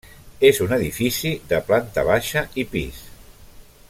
És un edifici de planta baixa i pis.